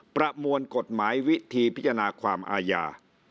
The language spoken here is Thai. ประมวลกฎหมายวิธีพิจารณาความอาญา